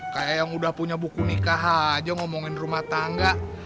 kayak yang udah punya buku nikah aja ngomongin rumah tangga